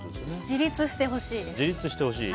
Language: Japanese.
自立してほしいです。